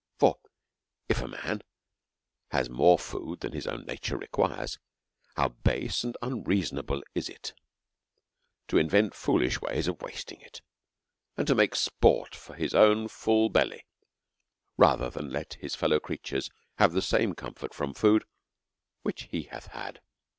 For if a man has more food than his own nature requires, how base and unreasonable is it to invent foolish ways of wasting it, and make sport for his own full belly, rather than let his fellow creatures have the same comfort from food which he hath had